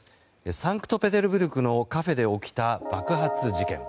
サンクトペテルブルクのカフェで起きた爆発事件。